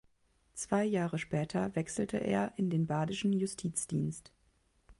Zwei Jahre später wechselte er in den badischen Justizdienst.